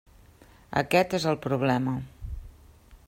Aquest és el problema.